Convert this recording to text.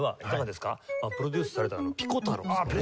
プロデュースされたあのピコ太郎さんね。